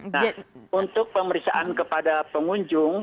nah untuk pemeriksaan kepada pengunjung